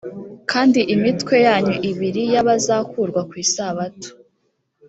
kandi imitwe yanyu ibiri y abazakurwa ku isabato